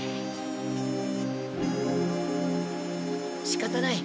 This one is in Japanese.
しかたない。